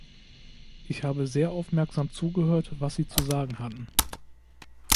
Ich habe sehr aufmerksam zugehört, was Sie zu sagen hatten.